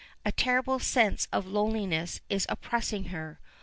A terrible sense of loneliness is oppressing her.